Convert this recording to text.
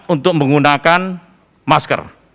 untuk menggunakan masker